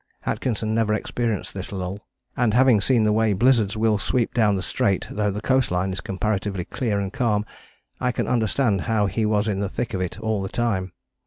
Atkinson never experienced this lull, and having seen the way blizzards will sweep down the Strait though the coastline is comparatively clear and calm, I can understand how he was in the thick of it all the time.